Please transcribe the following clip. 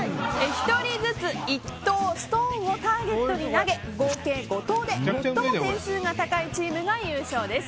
１人ずつ１投、ストーンをターゲットに投げ合計５投で最も点数が高いチームが優勝です。